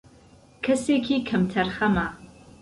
کەسێکی کەم تەرخەمە